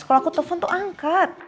kalau aku telpon tuh angkat